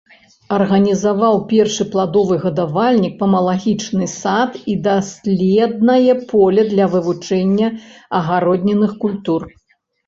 Арганізаваў першы пладовы гадавальнік, памалагічны сад і доследнае поле для вывучэння агароднінных культур.